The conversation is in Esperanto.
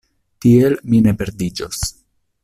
Tiel, mi ne perdiĝos.